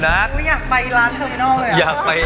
หลวงไปร้านเทอร์มนอลอย่างกี้